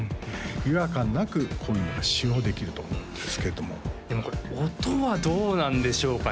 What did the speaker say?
違和感なくこういうのが使用できると思うんですけれどもでもこれ音はどうなんでしょうかね